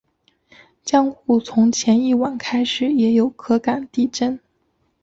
江户从前一晚开始也有可感地震。